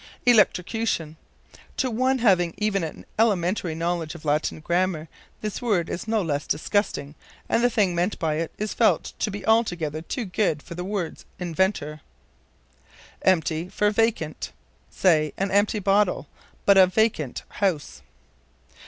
Electrocution. To one having even an elementary knowledge of Latin grammar this word is no less than disgusting, and the thing meant by it is felt to be altogether too good for the word's inventor. Empty for Vacant. Say, an empty bottle; but, a vacant house.